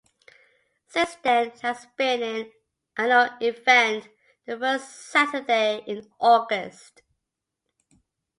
Since then it has been an annual event the first Saturday in August.